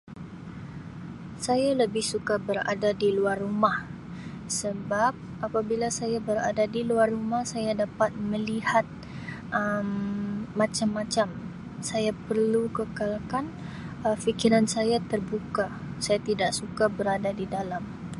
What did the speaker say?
Saya lebih suka berada di luar rumah sebab apabila saya berada di luar rumah saya dapat melihat Um macam-macam saya perlu kekakalkan Um fikiran saya terbuka saya tidak suka berada di dalam.